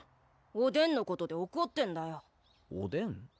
おでんのことでおこってんだよおでん？